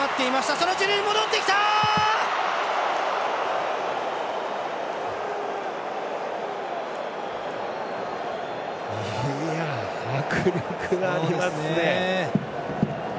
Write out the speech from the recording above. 迫力がありますね。